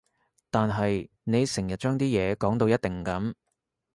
但係你成日將啲嘢講到一定噉